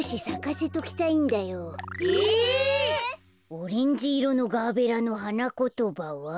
オレンジいろのガーベラのはなことばは。